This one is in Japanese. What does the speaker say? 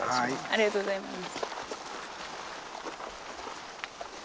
ありがとうございます。